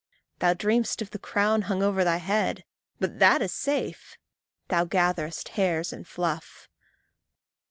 Thou dreamest of the crown hung o'er thy head But that is safe thou gatherest hairs and fluff!